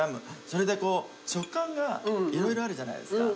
それでこう食感が色々あるじゃないですか。